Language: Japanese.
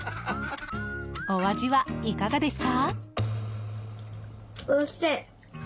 お味は、いかがですか？